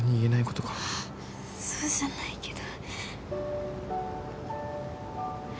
そうじゃないけど。